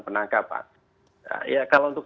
penangkapan kalau untuk